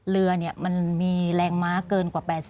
เรือมันมีแรงม้าเกินกว่า๘๐